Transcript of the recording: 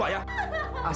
bapak jahat bapak jahat